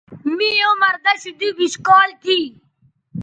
می عمر دشودُوبش کال تھی